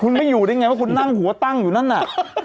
คุณไม่อยู่ได้ไงว่าคุณนั่งหัวตั้งอยู่นั่นน่ะ